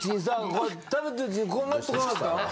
こうやって食べてるうちにこうなってこなかった？